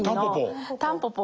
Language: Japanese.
「タンポポ」！